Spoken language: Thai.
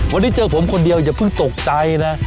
วันนี้เจอผมคนเดียวอย่าเพิ่งตกใจนะ